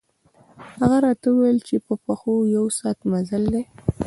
هغه راته ووېل چې په پښو یو ساعت مزل دی.